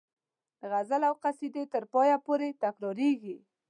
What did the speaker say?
د غزل او قصیدې تر پایه پورې تکراریږي.